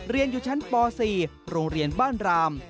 เรียนอยู่ชั้นป๔โรงเรียนบ้านราม